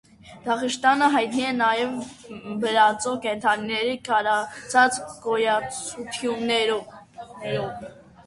Դախշտայնը հայտնի է նաև բրածո կենդանիների քարացած գոյացություններով։